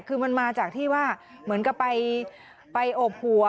คือมันมาจากที่ว่าเหมือนกับไปโอบหัว